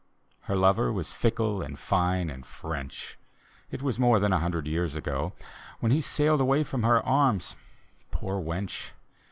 Her lover was fickle and fine and French; It was more than a hundred years ago When he sailed away from her anns, — poor wench